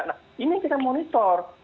nah ini yang kita monitor